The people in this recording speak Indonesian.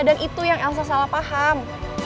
dan itu yang elsa salah paham